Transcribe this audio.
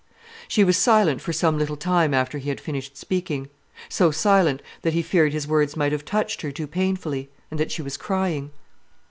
She was silent for some little time after he had finished speaking; so silent that he feared his words might have touched her too painfully, and that she was crying.